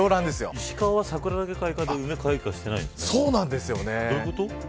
石川は梅開花で桜まだ開花してないんですかね。